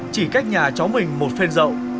chỉ cách nhà cháu mình một phên rậu